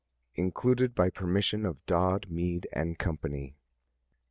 Included by permission of Dodd, Mead and Company.